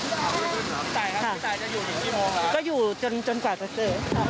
พี่ตายจะอยู่อยู่กี่โมงคะ